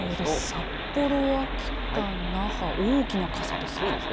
札幌、秋田、那覇、大きな傘ですか。